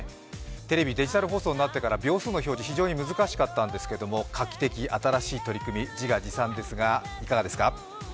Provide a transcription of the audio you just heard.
テレビ、デジタル表示になってから秒数の表示、難しかったんですが画期的、新しい取り組み、自画自賛ですがいかがですか？